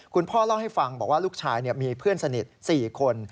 คุณพ่อเล่าให้ฟังบอกว่าลูกชายมีเพื่อนสนิท๔คน